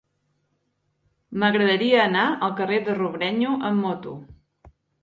M'agradaria anar al carrer de Robrenyo amb moto.